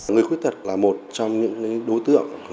người khuyết tật là một trong những đối tượng